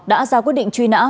đã ra quyết định truy nã